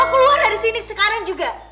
keluar dari sini sekarang juga